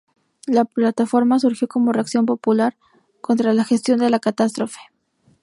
La plataforma surgió como reacción popular contra la gestión de la catástrofe.